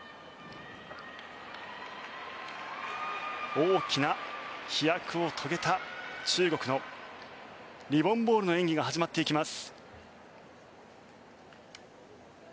大きな飛躍を遂げた中国のリボン・ボールの演技が始まっていきます。